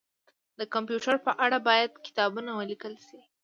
د کمپيوټر په اړه باید کتابونه ولیکل شي